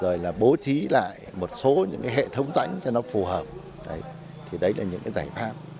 rồi là bố trí lại một số những cái hệ thống rãnh cho nó phù hợp thì đấy là những cái giải pháp